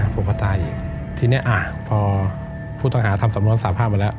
ผมก็ตายอีกทีนี้พอผู้ต้องหาทำสำนวนสาภาพมาแล้ว